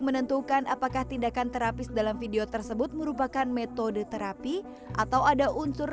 menentukan apakah tindakan terapis dalam video tersebut merupakan metode terapi atau ada unsur